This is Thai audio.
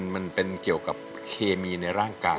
มันเป็นเกี่ยวกับเคมีในร่างกาย